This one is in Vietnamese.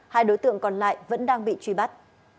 hai đối tượng còn lại vẫn đang bị truy bắt